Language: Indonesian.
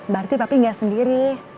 berarti papi gak sendiri